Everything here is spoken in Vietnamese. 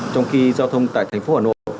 trong khi giao thông tại thành phố hà nội